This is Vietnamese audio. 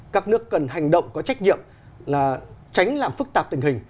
các nước cần hành động có trách nhiệm là tránh làm phức tạp tình hình